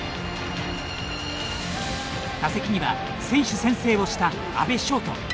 打席には選手宣誓をした阿部翔人。